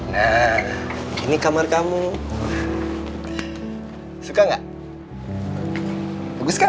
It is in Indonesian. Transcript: nah ini kamar kamu suka gak bagus kan